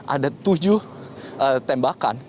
ada tujuh tembakan